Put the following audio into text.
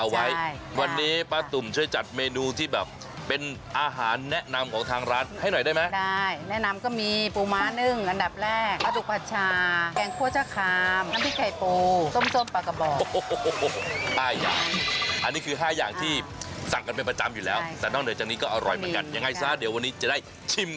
ไว้ใช่วันนี้ป้าตุ่มช่วยจัดเมนูที่แบบเป็นอาหารแนะนำของทางร้านให้หน่อยได้ไหมได้แนะนำก็มีปูม้านึ่งอันดับแรกปลาดุกผัดชาแกงคั่วชะคามน้ำพริกไข่ปูต้มส้มปลากระบอกโอ้โหห้าอย่างอันนี้คือห้าอย่างที่สั่งกันเป็นประจำอยู่แล้วแต่นอกเหนือจากนี้ก็อร่อยเหมือนกันยังไงซะเดี๋ยววันนี้จะได้ชิม